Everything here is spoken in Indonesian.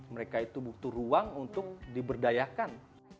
mereka itu butuh ruang untuk diberdayakan